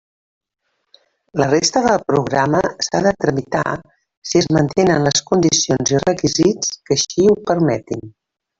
La resta del programa s'ha de tramitar si es mantenen les condicions i requisits que així ho permetin.